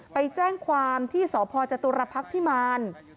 ไปแจ้งความที่สพจตุรพักษ์พิมาร